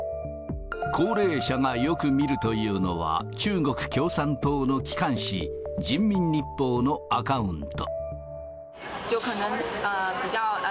高齢者がよく見るというのは、中国共産党の機関紙、人民日報のアカウント。